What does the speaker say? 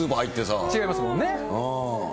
違いますもんね。